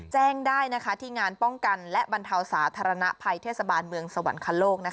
แจ้งได้ที่งานป้องกันและบรรเทาสาธารณภัยเทศบาลเมืองสวรรคโลก